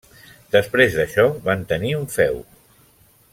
Després d'això van tenir un feu.